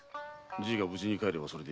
じいが無事に帰ればそれでいい。